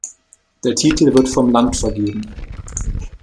Der Titel wird vom Land vergeben.